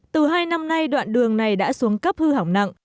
từ hai năm nay đoạn đường này đã xuống cấp hư hỏng nặng